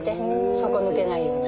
底抜けないように。